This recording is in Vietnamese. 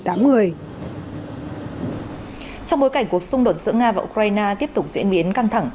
trong bối cảnh cuộc xung đột giữa nga và ukraine tiếp tục diễn biến căng thẳng